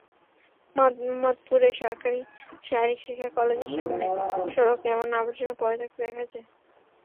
মোহাম্মদপুরে সরকারি শারীরিক শিক্ষা কলেজের সামনের সড়কে এমন আবর্জনা পড়ে থাকতে দেখা যায়।